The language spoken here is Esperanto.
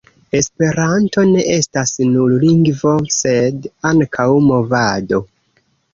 Esperanto ne estas nur lingvo, sed ankaŭ movado.